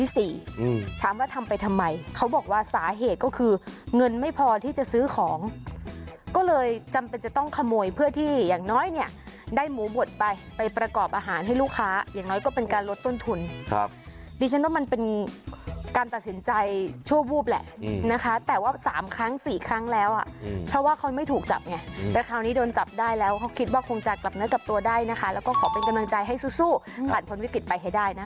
สี่ถามว่าทำไปทำไมเขาบอกว่าสาเหตุก็คือเงินไม่พอที่จะซื้อของก็เลยจำเป็นจะต้องขโมยเพื่อที่อย่างน้อยเนี่ยได้หมูบดไปไปประกอบอาหารให้ลูกค้าอย่างน้อยก็เป็นการลดต้นทุนครับดิฉันว่ามันเป็นการตัดสินใจชั่วบูบแหละนะคะแต่ว่าสามครั้งสี่ครั้งแล้วอ่ะเพราะว่าเขาไม่ถูกจับไงแต่คราวนี้โดนจับได้แล้วเขาคิ